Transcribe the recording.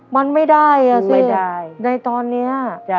มันไม่ได้อะสิในตอนนี้